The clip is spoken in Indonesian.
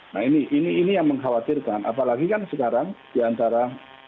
nah ini yang mengkhawatirkan apalagi kan sekarang di antara